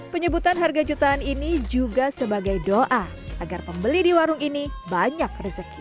penyebutan harga jutaan ini juga sebagai doa agar pembeli di warung ini banyak rezeki